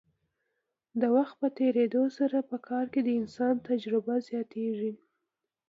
د وخت په تیریدو سره په کار کې د انسان تجربه زیاتیږي.